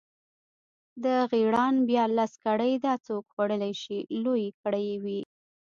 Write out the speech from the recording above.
د غیراڼ بیا لس کړۍ، دا څوک خوړلی شي، لویې کړۍ وې.